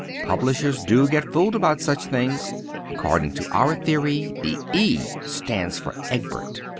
Publishers do get fooled about such things. According to our theory, the E stands for Egbert.